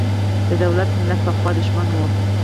د دولت–ملت پخوا دښمن و.